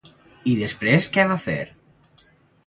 I després què va fer?